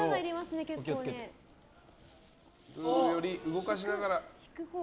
動かしながら。